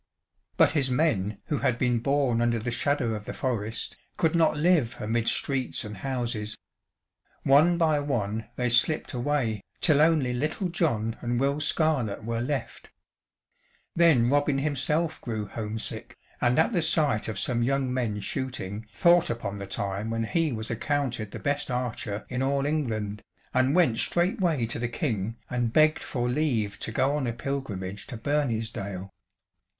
But his men who had been born under the shadow of the forest, could not live amid streets and houses. One by one they slipped away, till only little John and Will Scarlett were left. Then Robin himself grew home sick, and at the sight of some young men shooting thought upon the time when he was accounted the best archer in all England, and went straightway to the King and begged for leave to go on a pilgrimage to Bernisdale.